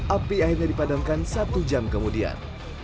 api akhirnya dipadamkan satu jam kemudian